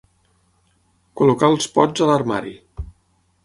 Col·locar els pots a l'armari.